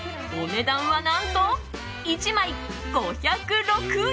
お値段は何と１枚５０６円。